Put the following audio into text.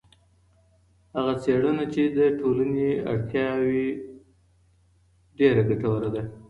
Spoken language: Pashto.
هغه څېړنه چي د ټولني اړتیا وي ډېره ګټوره ده.